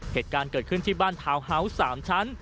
เหตุการณ์เกิดขึ้นที่บ้านทาวน์ฮาวส์๓ชั้น